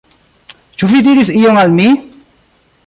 Ĉu vi diris ion al mi?